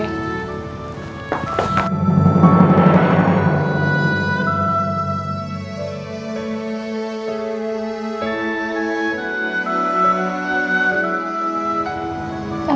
gue mau ke rumah